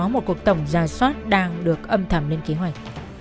một cuộc tổng giả soát đang được âm thầm lên kế hoạch